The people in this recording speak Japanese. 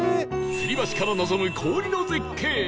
吊り橋から望む氷の絶景